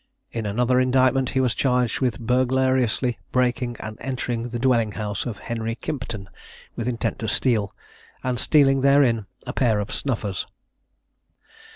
In another indictment he was charged with burglariously breaking and entering the dwelling house of Henry Kimpton, with intent to steal, and stealing therein a pair of snuffers.